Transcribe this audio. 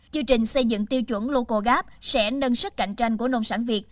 chương trình xây dựng tiêu chuẩn locogap sẽ nâng sức cạnh tranh của nông sản việt